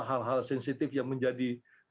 hal hal sensitif yang menjadi